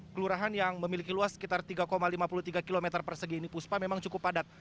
kelurahan yang memiliki luas sekitar tiga lima puluh tiga km persegi ini puspa memang cukup padat